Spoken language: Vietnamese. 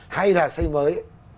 hay là xây mới